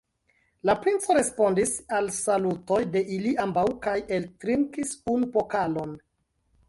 La princo respondis al salutoj de ili ambaŭ kaj eltrinkis unu pokalon.